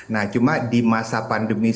nah cuma di masa pandemi seperti ini